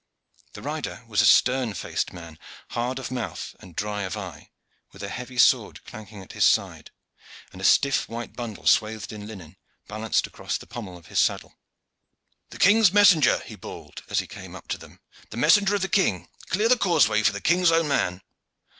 The rider was a stern faced man, hard of mouth and dry of eye, with a heavy sword clanking at his side, and a stiff white bundle swathed in linen balanced across the pommel of his saddle. "The king's messenger," he bawled as he came up to them. "The messenger of the king. Clear the causeway for the king's own man."